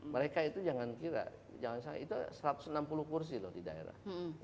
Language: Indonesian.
mereka itu jangan kira jangan salah itu satu ratus enam puluh kursi loh di daerah